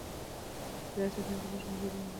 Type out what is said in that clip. چاپیریال ساتنه زموږ ملي دنده ده.